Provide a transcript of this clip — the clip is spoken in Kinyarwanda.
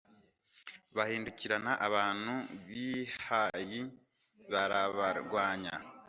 bahindukirana abantu b'i hayi, barabarwanya